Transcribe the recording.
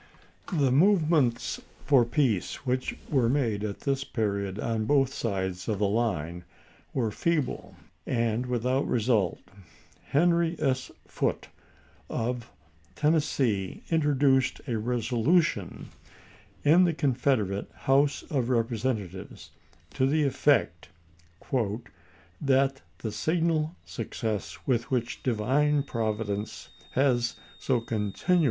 The movements for peace which were made at this period on both sides of the line were feeble and without result. Henry S. Foote of Tennessee in troduced a resolution in the Confederate House of Representatives to the effect " that the signal sue THE DEFEAT OF THE PEACE PAKTY AT THE POLLS 365 cess with which Divine Providence has so continu ch.